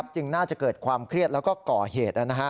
จึงน่าจะเกิดความเครียดแล้วก็ก่อเหตุ